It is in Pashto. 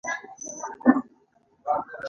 دوی هڅه کوي چې ترمنځ یې شخړه نه وي